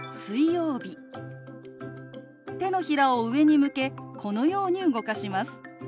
手のひらを上に向けこのように動かします。